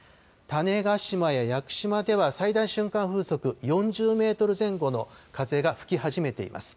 種子島や屋久島では最大瞬間風速４０メートル前後の風が吹き始めています。